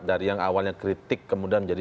dari yang awalnya kritik kemudian menjadi